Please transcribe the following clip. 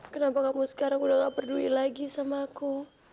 kenapa kamu sekarang udah gak peduli lagi sama aku